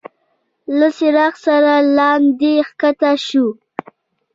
له څراغ سره لاندي کښته شو.